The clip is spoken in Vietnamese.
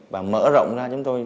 và mở rộng ra chúng tôi